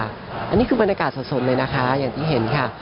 อันนี้คือบรรยากาศสดเลยนะคะอย่างที่เห็นค่ะ